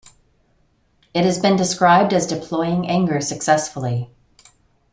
It has been described as deploying anger successfully.